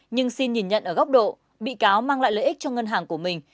nhưng xin nhìn nhận ở góc độ bị cáo mang lại lợi ích cho ngân hàng của mình